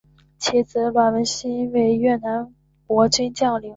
其子阮文馨为越南国军将领。